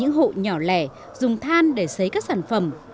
những hộ nhỏ lẻ dùng than để xấy các sản phẩm